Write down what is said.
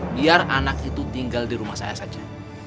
biar anak itu tinggal di rumah saya saja